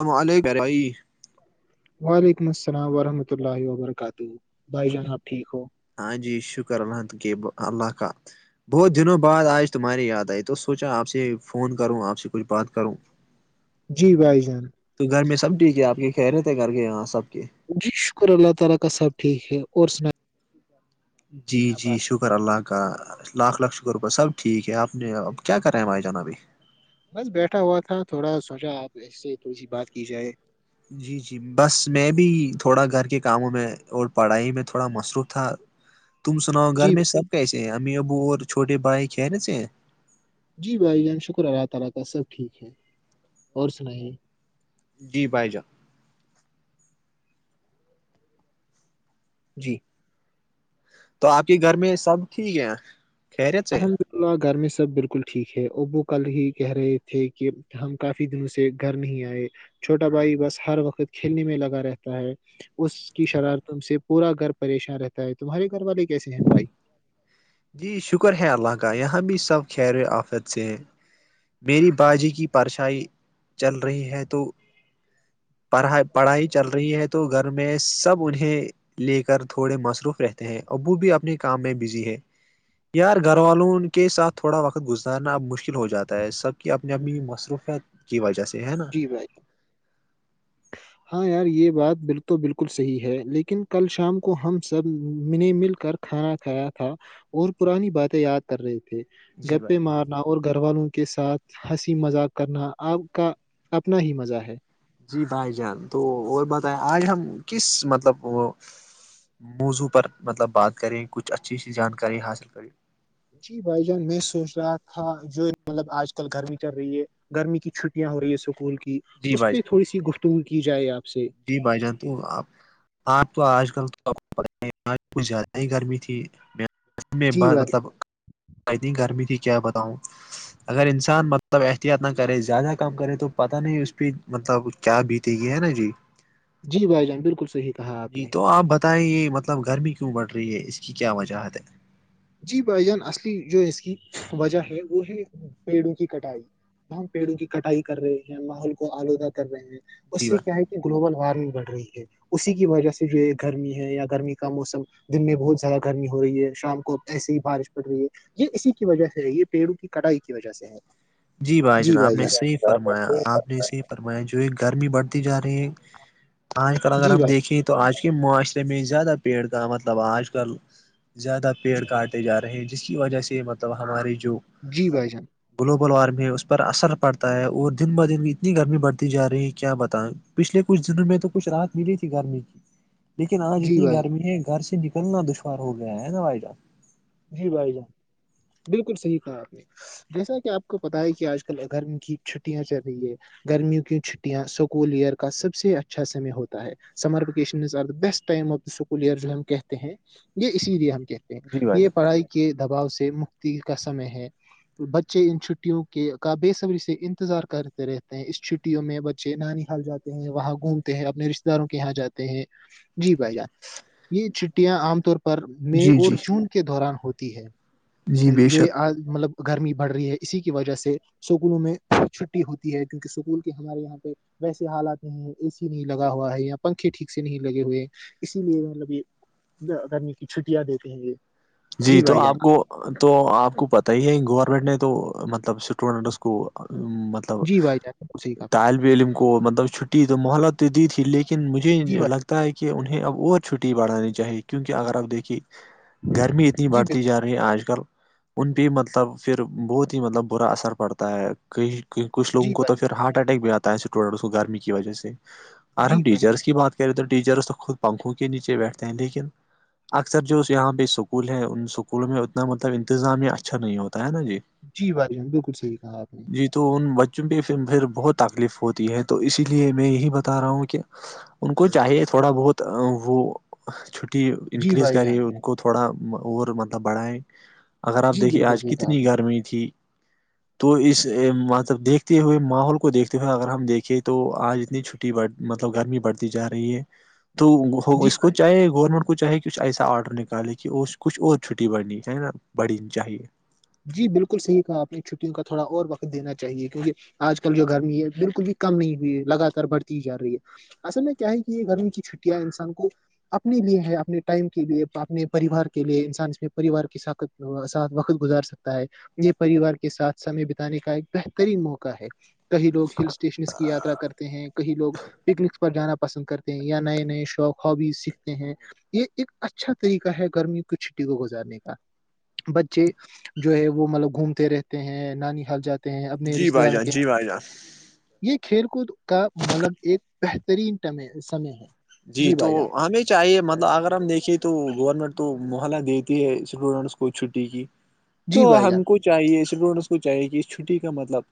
ہملے بیرائی وعلیکم السلام ورحمۃ اللہ وبرکاتہ بھائی جان آب ٹھیک ہو ہاں جی شکر الحمد کے ب اللہاکات بہت دنوں بعد آج تمہارے یاد آئی تو سوچا آپ سے فون کروں آپ سے کچھ بات کروں [unintelligible] جی بھائی جان تو گھر میں سب ٹھیک ہے آپ کے کہہ رہے تھے گھر کے یہاں سب کے جی شکر اللہ تعالی کا سب ٹھیک ہے اور سنا جی میں آپ جی بات شکر شکر اللہ کا لاکھ لاکھ شکر روپیہ سب ٹھیک ہے آپ نے اب کیا کرا ہے مھائی جان ابھی بس بیٹھا ہوا تھا تھوڑا سوچا آپ ایسے تھوڑی سی بات کی جائے جی جی بس میں بھی تھوڑا گھر کے کاموں میں اور پڑھائی میں تھوڑا مصروف تھا تم سناؤ گھر جی میں سب کیسے ہیں ا ابو اور چھوٹے بھائی ک ن تھ ہیں [unintelligible] جی بھائی جان جی تو آپ کے گھر میں سب ٹھیک ہے کہیرے تھے ل گھر میں سب بالکل ٹھیک ہے ابو کل ہی کہہ رہے تھے کہ ہم کا کافی دنوں سے گھر نہیں آئے چھوٹا بھائی بس ہر وقت کھیلنے میں لگا رہتا ہے اس کی شرار تم سے پورا گھر پریشان رہتا ہے تمہارے گھر والے کیسے ہیں بھائی جی شکر ہے اللہ کا یہاں بھی سب خیر آفت سے ہیں میری بازی کی پرشائی چل رہی ہے تو پڑھائی پڑھائی چل رہی ہے تو گھر میں سب انہیں لے کر تھوڑے مصروف رہتے ہیں ابو بھی اپنے کام میں بزی ہے یار گھر والوں ان کے ساتھ تھوڑا وقت گزارنا اب مشکل ہو جاتا تو سب کی اپنی اپنی مصروفت کی وجہ سے ہے نا جی بھائی [inaudible] ہاں یار یہ بات بال تو بالکل صحیح ہے لیکن کل شام کو ہم سب میں مل کر کھانا کھایا تھا اور پرانی باتیں یاد کر رہے تھے جی بھائی گپے مارنا اور گھر والوں کے ساتھ ہنسی مذاق کرنا آپ کا اپنا ہی مزہ ہے جی بھائی جان تو اور بتائیں آج ہم کس مطلب وہ موضوع پر مطلب بات کریں کچھ اچھی جانکاری حاصل کریں جی بھائی جان میں سوچ رہا تھا جو مطلب آج کل گرمی چل رہی ہے گرمی کی چھٹیاں ہو رہی ہے اسکول کی اس پہ تھوڑی سی گفتگو کی جائے آپ سے جی بھائی جان تو آپ آپ تو آج کل تو کچھ زیادہ ہی گرمی تھی میں جی بھائی مطلب اتنی گرمی تھی کیا بتاؤں اگر انسان مطلب احتیاط نہ کرے زیادہ کام کرے تو پتہ نہیں اس پہ مطلب کیا بیتے یہ ہے نا جی جی بھائی جان بالکل صحیح کہا آپ جی نے تو آپ بتائیںے مطلب گرمی کیوں بڑھ رہی ہے اس کی کیا وجہت ہے جی بھائی جان اصلی جو اس کی وجہ ہے وہ ہے پیڑوں کی کٹائی ہم پیڑوں کی کٹائی کر رہے ہیں ماحول کو آلودہ کر رہے ہیں اس جی سے کیا بھائی ہے گلوبل وارمنگ بڑ رہی تھی اسی کی وجہ سے جو ہے گرمی ہے یا گرمی کا موسم دن میں بہت زیادہ گرمی ہو رہی ہے شام کو ایسے ہی بارش پڑ رہی ہے یہ اسی کی وجہ سے یہ پیڑوں کی کٹائی کی وجہ سے ہے جی بھائی جناب نے صحیح فرمایا آپ نے صی اور میں جو ہے گرمی بڑھتی جا رہی ہے آج کل اگر جی ہم بھائی دیکھیں تو آج کے معاشرے میں زیادہ پیڑ کا مطلب آج کل زیادہ پیڑ کاٹتے جا رہے ہیں جس کی وجہ سے مطلب ہماری جو جی بھائی جان بلوار میں ہے اس پر اثر پڑتا ہے اور دن ب دن اتنی گرمی بڑھتی جا رہی ہے کیا بتائیں پچھلے کچھ دنوں میں تو کچھ راحت ملی تھی گرمی کی لیکن آج جی اتنی بھائی گرمی ہے گھر سے نکلنا دشوار ہو گیا ہے نا بائی جان نہیں بھائی جان بالکل صحیح کہا آپ نے جیسا کہ آپ کو پتا ہے کہ آج کل اگرم کی چھٹیاں چل رہی ہے گرمیوں کی چھٹیاں سکول ایئر کا سب سے اچھا سمے ہوتا ہے سمر ویکیشنا بیسٹ ٹمکول ایئر جو ہم کہتے ہیں یہ اسی لیے ہم کہتے ہیں جی بھائی یہ جان پڑھائی کے دباؤ سے مکتی کا سمے ہے بچے ان چھٹیوں کے کا بےصبری سے انتظار کرتے رہتے ہیں اس چھٹی چھٹیوں میں بچے نانی حال جاتے ہیں وہاں گھومتے ہیں اپنے رشتے داروں کے یہاں جاتے ہیں جی بھائی جان یہ چھٹیاں عام طور پر مے جی اور جی جون کے دوران ہوتی ہے جی بے جو شک آج مطلب گرمی بڑھ رہی ہے اسی کی وجہ سے سکولوں میں چھٹی ہوتی ہے کیونکہ سکول کے ہمارے یہاں پہ ویسے حالات میں اے سی نہیں لگا ہوا ہے یا پنکھے ٹھیک سے نہیں لگے ہوئے اسی لیے مطلب یہ گرمی کی چھٹیاں دیتے ہیں یہ جی تو بھائی جان آپ کو تو آپ کو پتا ہی ہے گورنمنٹ نے تو مطلب اسٹوڈنٹس کو مطلب ب جی بھائی جان بالکل صحیح کہا آپ نے طالب علم کو مطلب چھٹی تو مہلت تو دی تھی لیکن مجھے جی بھائی لگتا ہے کہ انہیں اب اور چھٹی بڑھانی چاہیے کیونک اگر آپ دیکھیے گرمی اتنی جی بڑھتی بالکل جا رہی آج کل ان پہ مطلب پھر بہت ہی مطلب برا اثر پڑتا ہے کہئی کچھ لوگوں جی کو تو بھائی جان پھر ہارٹ اٹیک بھی آتا ہے اسٹوڈینٹ کو گرمی کی وجہ سے اور ہم جی بھائی جان ٹیچرس کی بات تو ٹیچر تو خود پنکھوں کے نیچے بیٹھتے ہیں لیکن اکثر جو ہے اس یہاں بھیہ سک اسکول ہے ان سکولوں میں اتنا مطلب انتظامیہ اچھا نہیں ہوتا ہے نا جی جی بھائی جان بالکل صحیح کہا آپ نے جی تو ان بچوں پہھر پھر بہت تکلیف ہوتی ہے تو اسی لیے میں یہی بتا رہا ہوں کہ ان کو چاہے تھوڑا بہت وہ چھٹی جی انکریز بھائی کرے جان ان کو تھوڑا اور مطلب بڑھائیں اگر آپ جی دیکھیے بالکل آج صحیح کہا آپ کتنی نے گرمی تھی تو اس مطلب دیکھتے ہوئے ماحول کو دیکھتے ہوئے اگر ہم دیکھے تو آج اتنی چھٹی بڑ مطلب گرمی بڑھتی جا رہی ہے تو جی اس کو بھائی چاہے گورنمنٹ کو چاہے کچھ ایسا آرڈر نکالے کہ اس کچھ اور چھٹی بڑنی ہے نا بڑی نہیں چاہیے جی بالکل صحیح کہا آپ نے چھٹی کا تھوڑا اور وقت دینا چاہیے کیونکہ آج کل جو گرمی ہے بالکل بھی کم نہیں ہوئی ہے لگاتار بڑھتی ہی جا رہی ہے اصل میں کیا ہے کہ یہ گرمی کی چھٹیاں انسان کو اپنے لیے ہے اپنے ٹائم کے لیے اپنے پریوار کے لیے انسان میں پریوار کی ساتھ وقت گزار تا ہے یہ پریوار کے ساتھ سمے بتانے کا ایک بہترین موقع ہے کئی لوگ ہل اسٹیشنس کی یاترا کرتے ہیں کہیں لوگ پکنکس پر جانا پسند کرتے ہیں یا نئے نئے شوق ہبیز سیکھتے ہیں یہ ایک اچھا طریقہ ہے گرمی کی چھٹی کو گزارنے کا بچے جو ہے وہ مطلب گھومتے رہتے ہیں نانی حال جاتے ہیں اپنے جی رشتے بھائی داروں جان کے جی بھائی جان یہ کھیل کود کا مطلب ایک بہترینٹم سمے ہے جی تو بھائی جان ہمیں چاہیے مطلب اگر ہم دیکھے تو گورنمنٹ تو محلہ دیتی ہے اسٹوڈینٹس کو چھٹی کی تو جی بھائی جان ہم کو چاہیے اسٹوڈینٹس کو چاہیے کہ اس چھٹی کا مطلب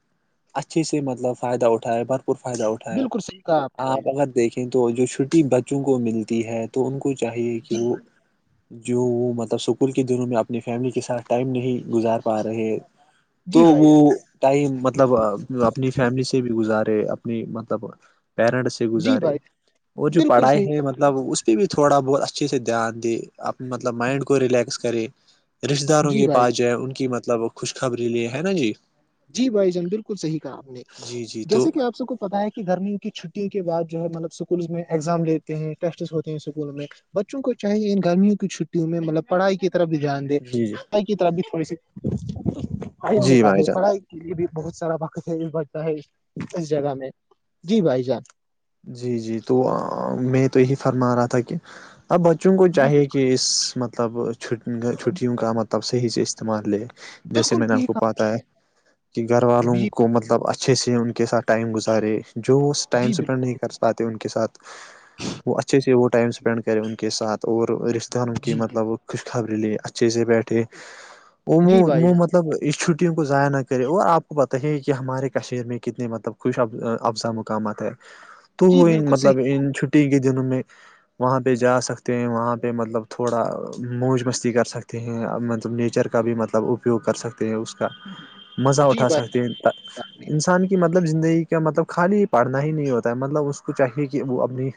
اچھھیے سے مطلب فائدہ اٹھائے پر فائدہ اٹھائے بالکل صحیح کہا نے بھائی آپ جان اگر دیکھیں تو جو چھٹی بچوں کو ملتی ہے تو ان کو چاہیے کہ جی وہ جو وہ مطلب سکول کے دنوں میں اپنی فیملی کے ساتھ ٹائم نہیں گزار پا رہے تو جی بھائی وہ جان ٹائم مطلب اپنی فیملی سے بھی گزارے اپنی مطلب پیرنٹس جی گزارے بھائی اور جان، جو بالکل پڑھائی صحیح ہے مطلب مطلب اس پہ بھی تھوڑا بہت اچھے سے دھیان دے مطلب مائنڈ کو ریلیکس کرے رشتے کہا- داروں جی کے بھائی پاس جان جائے ان کی مطلب خوش خبری لیے ہے نا جی جی بھائی جان بالکل صحیح کہا آپ نے جی جی تو جیسے کہ آپ سب کو پتاہ ہے کہ کہ گرمیوں کی چھٹیوں کے بعد جو ہے مطلب اسکولز میں ایگزام لیتے ہیں ٹیسٹس ہوتے ہیں اسکول میں بچوں کو چاہے ان گرمیوں کی چھٹیوں میں مطلب پڑھائی کی طرف بھی جان جی جی ائی کی طرف بھی تھوڑی سی آر ہم نے جی بھائی کہا [inaudible] جان لی بھی بہت سارا وقت ہے بڑھتا ہے اس جگہ میں جی بھائی جان [inaudible] جی جی تو میں تو یہی فرما رہا تھا کہ اب بچوں کو چاہیے کہ اس مطلب چ چھٹیوں کا مطلب صحیح سے استعمال لے جیسے بالکل میں نے صحیح آپ کو پا کہا ہے کہ گھر والوں جی کو مطلب اچھا [inaudible] اچھے سے ان کے ساتھ ٹائم گزارے جو ٹائم جی بالکل اسپینڈ نہیں کر پاتے ان کے ساتھ وہ اچھے سے وہ ٹائم اسپینڈ کرے ان کے ساتھ اور رشتہ داروں کی جی جی مطلب کوش خبریں لے اچھے سے بیٹھے وہ جی بھائی جان مح مطلب اس چھٹیوں کو ضائع نہ کرے اور آپ کو پتا ہی ہے کہ ہمارے کشمیر میں کتنے مطلب خوش افزا مقامات ہے تو جی وہ بالکل صحیح مطلب ان چھٹی کے دنوں میں وہاں پہ جا سکتے ہیں وہاں پہ مطلب تھوڑا موج مستی کر سکتے ہیں مطلب نیچر کا بھی مطلب اپیوگ کر سکتے ہیں اس کا مزہ جی اٹھا بھائی سکتے ہیں جان نے انسان کی مطلب زندگی کا مطلب خالی پڑھنا ہی نہیں ہوتا ہے مطلب اس کو چاہیے کہ وہ اپنی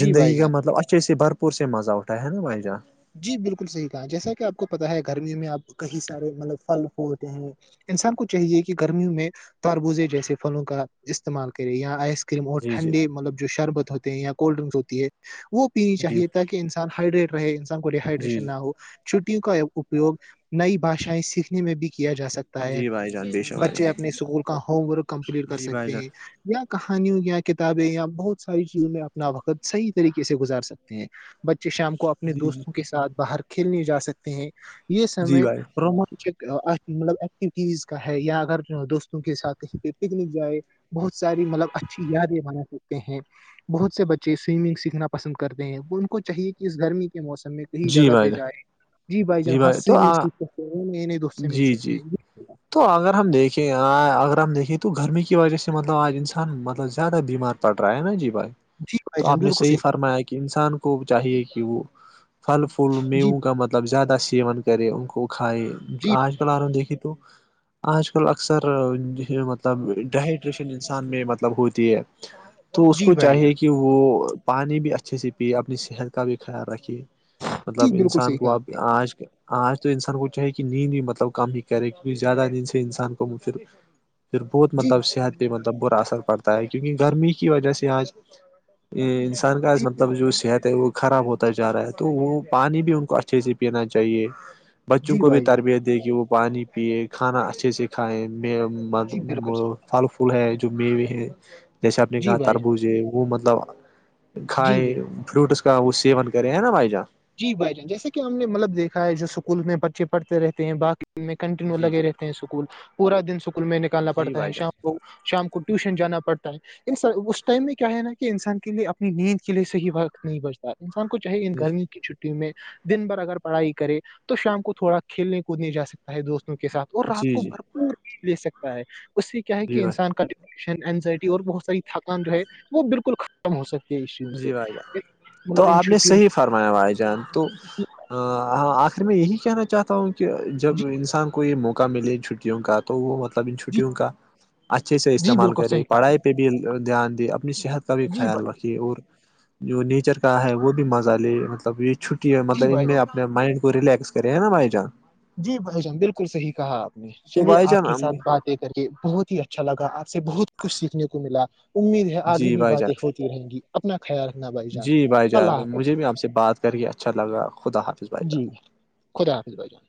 جی بھائی زندگی کا جان مطلب اچھے سے بھرپور سے مزہ اٹھا ہے نا بھائی جان جی بالکل صحیح کہا جیسا کہ آپ کو پتا ہے گرمیوں میں آپ کئی سارے مطلب پھل ہووتے ہیں انسان کو چاہیے کہ گرمیوں میں تربوزے جیسے پھلوں کا استعمال کرے یا آیس کریم اور جی جی ٹھنڈے مطلب جو شربت ہوتے ہیں یا کولڈ ڈرنکس ہوتی ہے وہ پینی جی چاہیے تاکہ ان انسان ہائڈریٹ رہے انسان کو جی ڈیہائڈریشن جی نہ ہو چھٹیوں کا اپیوگ نئی بھشائیں سیکھنے میں بھی کیا جا سکتا تا ہے جی بھائی جان بے شک بھائی بچے جان اپنے اسکول کا ہوم ورک کمپلیٹ کر جی بھائی سکتے جان ہیں یا کہانیوں یا کتابیں یا بہت ساری چیزوں میں اپنا وقت صحیح طریقے سے گزار سکتے ہیں بچے شام کو اپنے جی جی دوستوں کے ساتھ باہر کھیلنے جا سکتے ہیں یہ جی سمے بھائی رومان چک مطلب ایکٹیوٹیز کا ہے یا اگر دوستوں کے ساتھ کہیں پہ پکنک جائے [inaudible] بہت ساری مطلب اچھی یادیں بنا سکتے ہیں بہت سے بچے سوئمنگ سیکھنا پسند کرتے ہیں وہ ان کو چاہیے کہ اس گرمی کے موسم موسم میں کہیں جی جگہ بھائی پہ جان جائے [inaudible] جی بھائی جب ہاں سوئمنگ سیکھ سکتے ہیں نئے نئے دوست سے مل سکتے ہیں جی تو اگر ہم دیکھیں اگر ہم دیکھیں تو گرمی کی وجہ سے مطلب آج انسان مطلب زیادہ بیمار پڑ رہا ہے نا جی بھائی جی بھائی تو آپ جان نے بالکل صحیح فرمایا کہ انسان کو چاہیے کہ وہ پھل پھول جی مییہوں کا مطلب زیادہ سیون کرے ان کو کھائیں جی آج چلا رہ دیکھی تو آج کل اکثر مطلب ڈہائیڈریشن انسان میں مطلب ہوتی ہے [inaudible] تو اس جی کو بھائی جان چاہیے کہ وہ پانی بھی اچھے سے پیے اپنی صحت کا بھی خیال رکھے جی مطلب بالکل انسان صحیح کو کہا اب آپ نے آج آج تو انسان کو چاہے کہ نیند بھی مطلب کم ہی کرے کیونکہ زیادہ نیند سے انسان کو پھر پھر بہت جی مطلب صحت پہ مطلب برا اثر پڑتا ہے کیونکہ گرمی کی وجہ سے آج انس کا جی مطلب جو صحت ہے وہ خراب ہوتا جا رہا ہے تو وہ پانی بھی ان کو اچھا اچھے سے پینا چاہیے بچوں جی کو بھی بھائی جان تربیت دے کہ وہ پانی پیے کھانا اچھے سے کھائیں جی بالکل صحیح پھل [inaudible] پھول ہے جو میویں ہے جیسے آپ نے جی کہا بھائی جان تربوز ہے وہ مطلب جی کھائے فروٹس کا وہ سیون کرے ہیں نا بھائی جان جی بھائی جان جیسے کہ ہم نے مطلب دیکھا ہے جو اسکول میں بچے پڑھتے رہتے ہیں باقی میں کنٹینیو جی لگے جی رہتے ہیں اسکول پورا دن اسکول میں نکالنا جی پڑتا ہے بھائی شام کو شام کو ٹیوشن جانا پڑتا ہے انسان اس ٹائم میں کیا ہے نا کہ انسان کے لیے اپنی نیند کے لیے صحیح وقت نہیں بچتا انسان کو چاہے ان جان جی گرمی کی چھٹی میں دن بھر اگر پڑھائی کرے تو شام کو تھوڑا کھیلنے کودنے جا سکتے تا ہے دوستوں کے ساتھ اور رات جی کو جی بھرپور نیند لے سکتا ہے اس سے کیا ہے جی کہ بھائی انسان کا ٹنشن انزائٹی اور بہت ساری تھکان جو ہے وہ بالکل ختم کم ہو سکتے ہے ان چیزوں سے جی بھائی جان تو مطلب ان آپ نے چھٹیوں صحیح فرمایا بھائی جان تو [inaudible] ہاں ہاں آخر میں یہی کہنا چاہتا ہوں کہ جب انسان کو یہ موقع ملے چھٹیوں کا تو وہ مطلب ان جی چھٹیوں کا اچھے سے جی استعمال بالکل کرے صحیح کہا آپ پڑھائی نے پہ بھی دھیان دے اپنی صحت کا بھی جی خیال بھائی رکھے اور جو نیچر کا ہے وہ بھی مزہ لے مطلب یہ چھٹیاں جی مطلب ان بھائی میں جان اپ مائنڈ کو ریلیکس کرے ہیں نا بھائی جان جی بھائی جان بالکل صحیح کہا آپ نے تو چلیے بھائی آپ کے جان ساتھ بات ایک کے بہت ہی اچھا لگا آپ سے بہت کچھ سیکھنے کو ملا امید ہے آگے جی بھی بھائی باتیں جان ہوتی رہیں گی اپنا خیال رکھنا بھائی جان جی بھائی جان اللہ حافظ مجھے بھی آپ سے بات کر کے اچھا لگا خدا حافظ بھائی جان جی خد حافظ بھائی جان